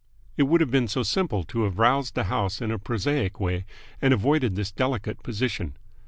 It would have been so simple to have roused the house in a prosaic way and avoided this delicate position.